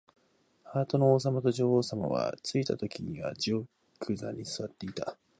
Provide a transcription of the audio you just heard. ハートの王さまと女王さまは、ついたときには玉座にすわっていました。